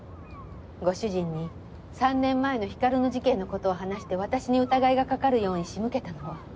ご主人に３年前の光の事件の事を話して私に疑いがかかるように仕向けたの。